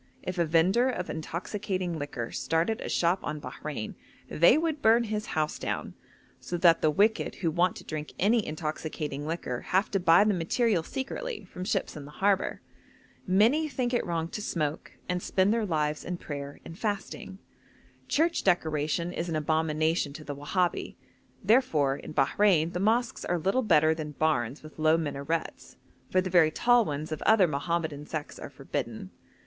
If a vendor of intoxicating liquor started a shop on Bahrein, they would burn his house down, so that the wicked who want to drink any intoxicating liquor have to buy the material secretly from ships in the harbour. Many think it wrong to smoke, and spend their lives in prayer and fasting. Church decoration is an abomination to the Wahabi; therefore, in Bahrein the mosques are little better than barns with low minarets, for the very tall ones of other Mohammedan sects are forbidden.